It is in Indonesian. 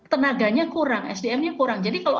tenaganya kurang sdmnya kurang jadi kalau